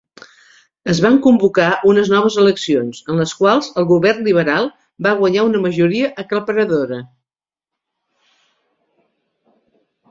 Es van convocar unes noves eleccions, en les quals el govern Liberal va guanyar una majoria aclaparadora.